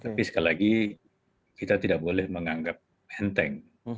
tapi sekali lagi kita tidak boleh menganggap enteng